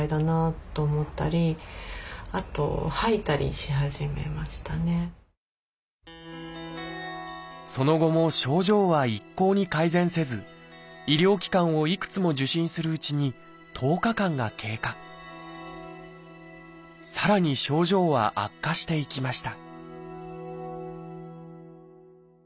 しかしその後も症状は一向に改善せず医療機関をいくつも受診するうちにさらに症状は悪化していきました